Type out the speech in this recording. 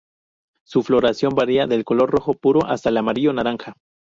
Su floración varía del color rojo puro hasta amarillo-naranja.